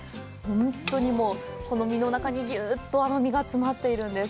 本当にもうあの実の中にギュウッと実が詰まっているんです。